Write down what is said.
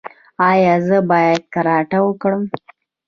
ایا زه باید کراټه وکړم؟